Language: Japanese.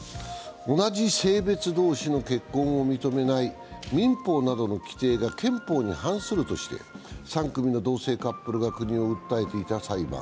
同じ性別同士の結婚を認めない民法などの規定が憲法に反するとして、３組の同性カップルが国を訴えていた裁判。